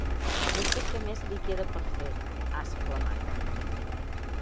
“No sé què més li queda per fer”, ha exclamat.